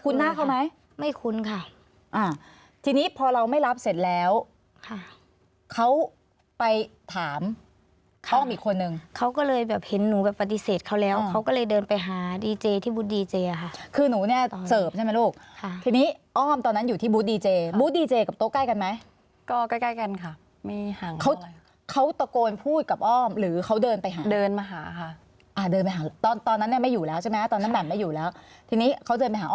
ตอนที่เสร็จเขาแล้วเขาก็เลยเดินไปหาดีเจที่บุ๊ตดีเจค่ะคือหนูเนี่ยเสิร์ฟใช่ไหมลูกค่ะทีนี้อ้อมตอนนั้นอยู่ที่บุ๊ตดีเจบุ๊ตดีเจกับโต๊ะใกล้กันไหมก็ใกล้กันค่ะไม่ห่างเขาตะโกนพูดกับอ้อมหรือเขาเดินไปเดินมาหาค่ะอ่าเดินไปหาตอนนั้นไม่อยู่แล้วใช่ไหมตอนนั้นแบบไม่อยู่แล้วทีนี้เขาเดินไปหาอ